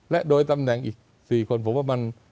และโดยตำแหน่งอีก๔คนผมว่ามัน